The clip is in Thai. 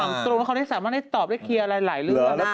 ถามตรงเขาสามารถได้ตอบได้เคลียร์อะไรหลายหรือ